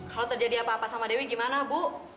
kalau terjadi apa apa sama dewi gimana bu